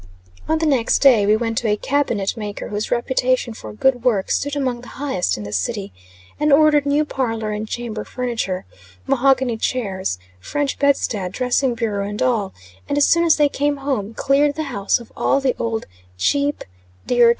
On the next day we went to a cabinet maker, whose reputation for good work stood among the highest in the city; and ordered new parlor and chamber furniture mahogany chairs, French bedstead, dressing bureau and all, and as soon as they came home, cleared the house of all the old cheap (dear!)